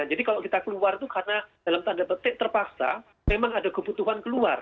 jadi kalau kita keluar itu karena dalam tanda petik terpaksa memang ada kebutuhan keluar